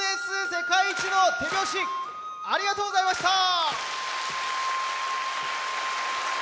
世界一の手拍子ありがとうございました。